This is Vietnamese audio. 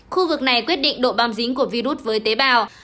khu vực này quyết định độ băm dính của virus với tế bào